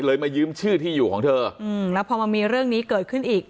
มายืมชื่อที่อยู่ของเธออืมแล้วพอมันมีเรื่องนี้เกิดขึ้นอีก